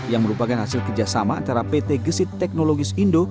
yang merupakan hasil kerjasama antara pt gesit teknologis indo